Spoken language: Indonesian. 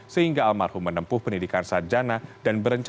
sehingga almarhum menempuh pendidikan sarjana dan berencana